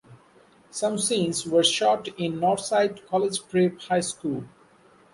Some scenes were shot in Northside College Prep highschool.